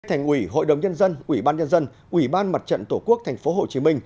thành ủy hội đồng nhân dân ủy ban nhân dân ủy ban mặt trận tổ quốc tp hcm